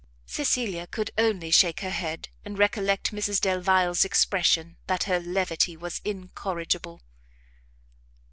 Cecilia could only shake her head, and recollect Mrs Delvile's expression, that her levity was incorrigible.